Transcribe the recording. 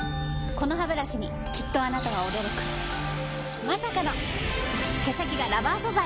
このハブラシにきっとあなたは驚くまさかの毛先がラバー素材！